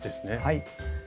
はい。